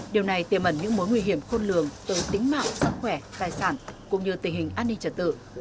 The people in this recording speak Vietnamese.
điều này tiềm ẩn những mối nguy hiểm khôn lường tới tính mạng sức khỏe tài sản cũng như tình hình an ninh trật tự